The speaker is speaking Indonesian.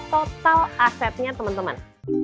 total asetnya teman teman